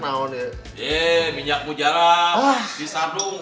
cokor tuh dikubah sama boy ya